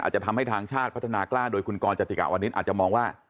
อาจจะทำให้ทางชาติพัฒนากล้าโดยคุณกรจติกะวนิษฐ์อาจจะมองว่า